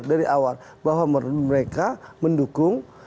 dari awal bahwa mereka mendukung